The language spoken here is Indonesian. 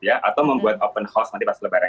atau membuat open house nanti pas lebaran